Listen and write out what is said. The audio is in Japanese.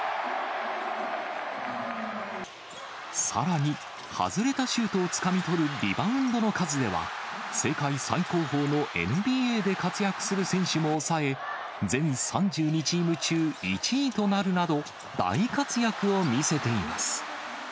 さらに、外れたシュートをつかみ取るリバウンドの数では、世界最高峰のＮＢＡで活躍する選手も抑え、全３２チーム中１位となるなど、大活躍を見せています。